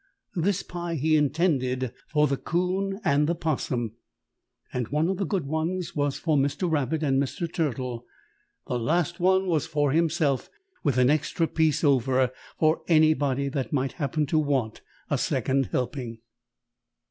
This pie he intended for the 'Coon and the 'Possum, and one of the good ones was for Mr. Rabbit and Mr. Turtle. The last one was for himself, with an extra piece over for anybody that might happen to want a second helping.